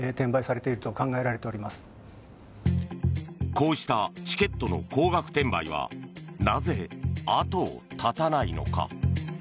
こうしたチケットの高額転売はなぜ後を絶たないのか。